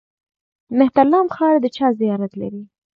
مهترلام ښار د چا زیارت لري؟